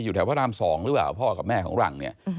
อยู่แถวท่อราม๒หรือเปล่าพ่อกับแม่ของหลัง